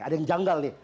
ada yang janggal nih